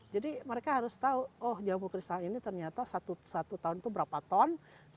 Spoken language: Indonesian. jadi mereka harus tahu oh jambu kristal ini ternyata satu tahun itu berapa ton